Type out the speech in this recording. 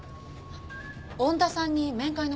恩田さんに面会の方が。